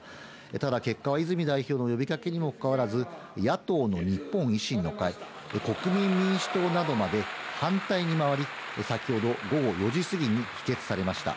ただ、結果は泉代表の呼びかけにもかかわらず、野党の日本維新の会、国民民主党まで反対に回り、先ほど午後４時過ぎに否決されました。